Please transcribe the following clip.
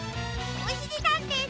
おしりたんていさん